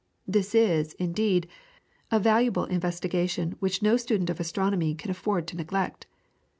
This is, indeed, a valuable investigation which no student of astronomy can afford to neglect.